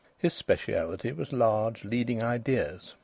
His speciality was large, leading ideas.